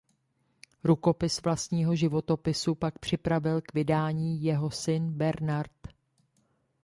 Rukopis vlastního životopisu pak připravil k vydání jeho syn Bernard.